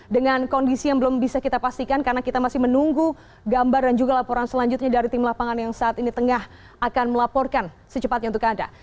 dengan kondisi yang belum bisa kita pastikan karena kita masih menunggu gambar dan juga laporan selanjutnya dari tim lapangan yang saat ini tengah akan melaporkan secepatnya untuk anda